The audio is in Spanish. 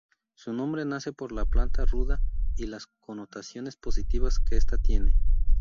Su nombre nace por la planta Ruda y las connotaciones positivas que esta tiene.